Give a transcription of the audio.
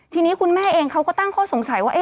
ทีนี้คุณแม่เองเขาก็ตั้งข้อสงสัยว่า